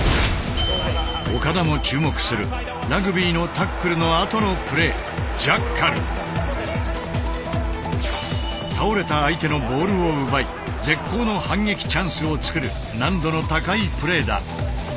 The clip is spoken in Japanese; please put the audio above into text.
岡田も注目するラグビーのタックルのあとのプレー倒れた相手のボールを奪い絶好の反撃チャンスを作る難度の高いプレーだ。